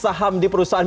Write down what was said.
nampak di maca maca di